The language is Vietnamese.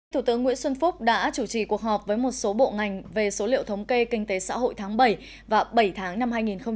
thủ tướng nguyễn xuân phúc đã chủ trì cuộc họp với một số bộ ngành về số liệu thống kê kinh tế xã hội tháng bảy và bảy tháng năm hai nghìn một mươi chín